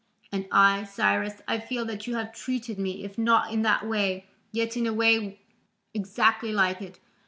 And I, Cyrus, I feel that you have treated me, if not in that way, yet in a way exactly like it.